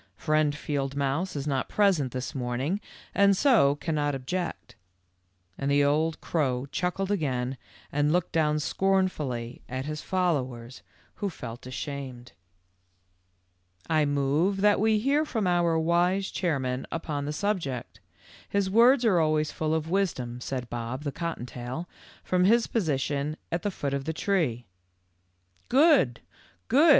Friend Field mouse is not present this morning and so cannot object ;" and the old crow chuckled again and looked down scornfully at his followers, who felt ashamed. 86 THE LITTLE FORESTERS. " I move that we hear from our wise chair man upon the subject. His words are always full of wisdom," said Bob, the cottontail, from his position at the foot of the tree. w Good ! Good